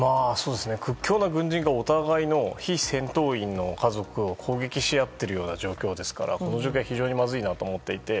屈強な軍人がお互いの非戦闘員の家族を攻撃し合っているような状況ですからこの状況は非常にまずいなと思っていて。